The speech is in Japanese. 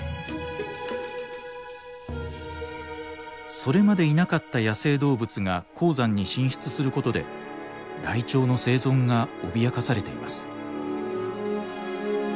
それまでいなかった野生動物が高山に進出することでライチョウの生存が脅かされています。